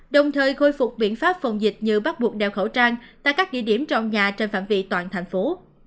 đồng thời khôi phục biện pháp phòng dịch như bắt buộc đeo khẩu trang tại các địa điểm trong nhà trên phạm vị toàn thành phố